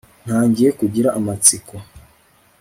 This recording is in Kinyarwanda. ntangiye kugira amatsiko